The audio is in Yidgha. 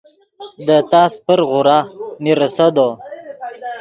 دے تاس پر غورا میر ریسدو